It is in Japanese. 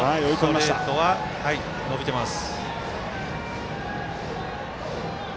ストレートは伸びています。